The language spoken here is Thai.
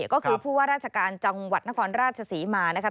ก็คือผู้ว่าราชการจังหวัดนครราชศรีมานะคะ